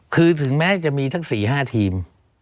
คือถึงแม้จะมีทั้ง๔๕ทีม